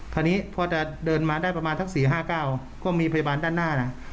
พอนี้พอจะเดินมาได้ประมาณทั้งสี่ห้าเก้าก็มีพยาบาลด้านหน้าน่ะ